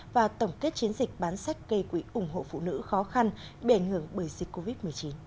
và tổng kết chiến dịch bán sách gây quỹ ủng hộ phụ nữ khó khăn bề ngưỡng bởi dịch covid một mươi chín